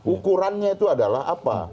ukurannya itu adalah apa